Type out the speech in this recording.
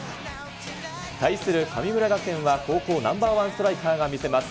対する神村学園は、高校ナンバー１ストライカーが見せます。